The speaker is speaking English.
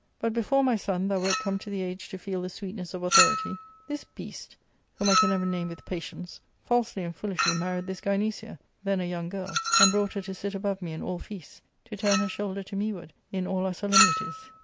" But before, my son, thou wert come to the age to feel the sweetness of authority, this beast, whom I can never name with patience, falsely and foolishly married this Gynecia, then a young girl, and brought her to sit above me in all feasts, to turn her shoulder to meward in all our solemnities.